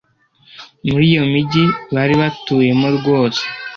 muri iyo migi bari batuyemo rwose.